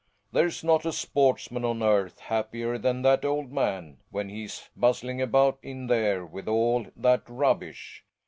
There's not a sportsman on earth happier than that old man, when he's bustling about in there with all that rubbish.